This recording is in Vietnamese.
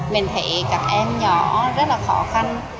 mình thấy các em nhỏ rất là khó khăn